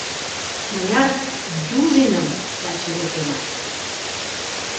Мыняр дюжиным таче лӧкенат?